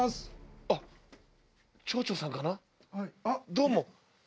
どうも。